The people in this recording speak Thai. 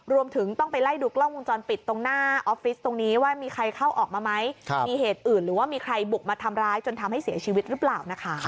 รวมถึงต้องไปไล่ดูกล้องวงรจนปิดตรงหน้า